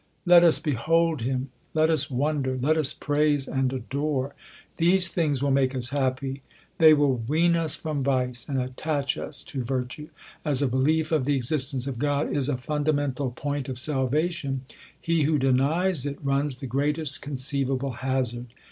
Let us behold him, let us wonder, let us praise and adore. These things will make us happy. They will wean us from vice, and attach us to virtue. As a be lief of the existence of God is a fundamental point of salvation, he who denies it runs the greatest conceivable hazard.